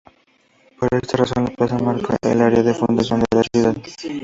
Por esta razón, la plaza marca el área de fundación de la ciudad.